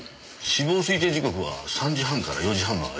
死亡推定時刻は３時半から４時半の間です。